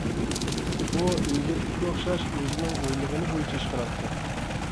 ئۇ ئىلگىرىكىگە ئوخشاش، ئۆزىنىڭ ئويلىغىنى بويىچە ئىش قىلاتتى.